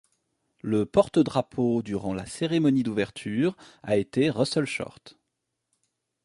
Le porte-drapeau durant la cérémonie d'ouverture a été Russell Short.